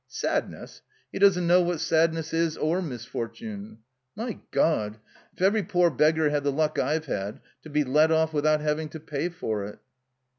"Sadness! He doesn't know what sadness is or misfortune. '* My God ! If every poor beggar had the luck I've had — ^to be let off without having to pay for it!"